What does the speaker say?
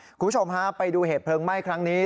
คุณผู้ชมฮะไปดูเหตุเพลิงไหม้ครั้งนี้